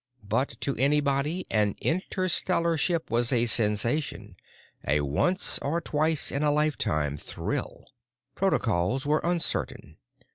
But to anybody an interstellar ship was a sensation, a once or twice in a lifetime thrill. Protocols were uncertain.